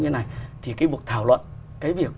như thế này thì cái vụ thảo luận cái việc